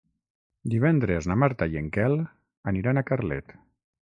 Divendres na Marta i en Quel aniran a Carlet.